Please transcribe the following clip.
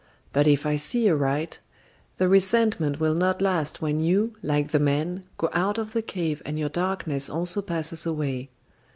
But if I see aright, the resentment will not last when you, like the man, go out of the cave and your darkness also passes away.